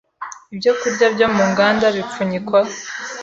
Ibyo kurya byo mu nganda bipfunyikwa